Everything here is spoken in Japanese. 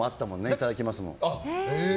「いただきます」も。